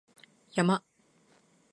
山